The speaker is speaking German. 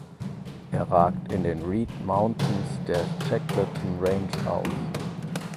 Er ragt in den Read Mountains der Shackleton Range auf.